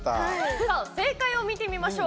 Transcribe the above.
さあ、正解を見てみましょう。